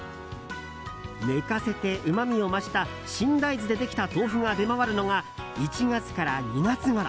寝かせてうまみを増した新大豆でできた豆腐が出回るのが１月から２月ごろ。